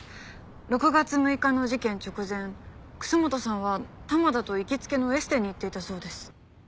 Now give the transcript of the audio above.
６月６日の事件直前楠本さんは玉田と行きつけのエステに行っていたそうです。